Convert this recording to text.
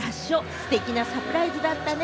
ステキなサプライズだったね。